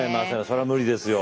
それは無理ですよ。